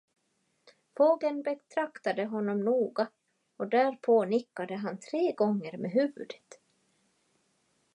Fågeln betraktade honom noga, och därpå nickade han tre gånger med huvudet.